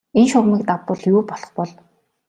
Энэ шугамыг давбал юу болох бол?